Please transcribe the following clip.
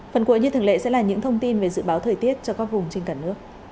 phần cuối như thường lệ sẽ là những thông tin về dự báo thời tiết cho các vùng trên cả nước